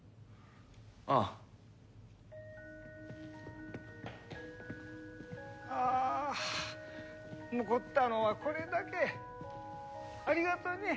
ああ残ったのはこれだけ。ありがとね。